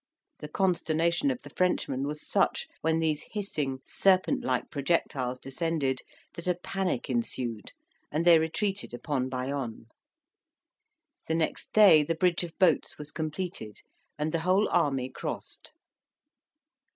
The consternation of the Frenchmen was such, when these hissing, serpent like projectiles descended, that a panic ensued, and they retreated upon Bayonne. The next day the bridge of boats was completed, and the whole army crossed.